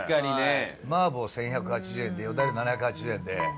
麻婆１１８０円でよだれ７８０円で。